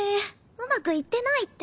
うまくいってないって。